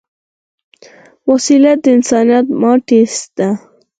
وسله د انسانیت ماتې ده